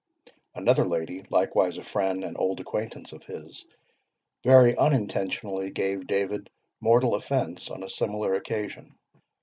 "Another lady, likewise a friend and old acquaintance of his, very unintentionally gave David mortal offence on a similar occasion.